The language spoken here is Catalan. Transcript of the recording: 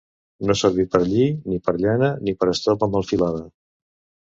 No servir per lli, ni per llana, ni per estopa mal filada.